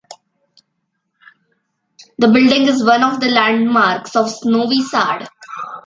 The building is one of the landmarks of Novi Sad.